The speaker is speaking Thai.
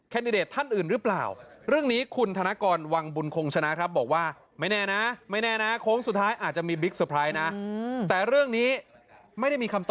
เพื่อต้องรอดูกันต่อไป